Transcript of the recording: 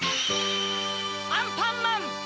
アンパンマン‼